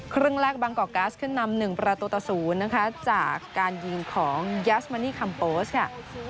ครึ่งแรกบางกอกกัสขึ้นนำ๑ประตูต่อ๐นะคะจากการยิงของยัสมานี่คัมโปสค่ะ